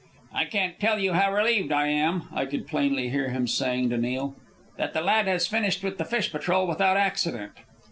"I can't tell you how relieved I am," I could plainly hear him saying to Neil, "that the lad has finished with the fish patrol without accident."